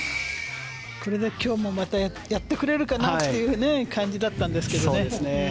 これで今日もまたやってくれるかなという感じだったんですけどね。